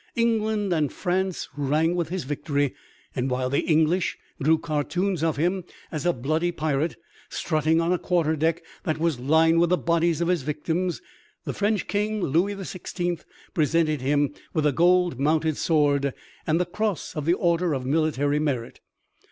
England and France rang with his victory, and while the English drew cartoons of him as a bloody pirate, strutting on a quarter deck that was lined with the bodies of his victims, the French king, Louis the Sixteenth, presented him with a gold mounted sword and the cross of the Order of Military Merit.